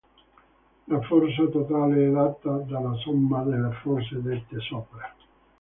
La forza totale è data dalla somma delle forze dette sopra.